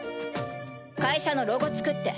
会社のロゴ作って。